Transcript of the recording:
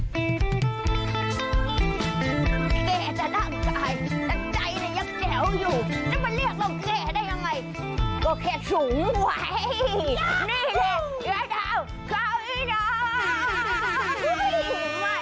เก่จะนั่งใจแต่ใจยังแก๋วอยู่จะมาเรียกเราเก่ได้ยังไงก็แค่สูงวัยนี่แหละยายดาวข้าวอีดาว